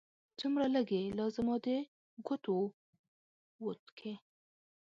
څومره لږې! لا زما د ګوتو وت کې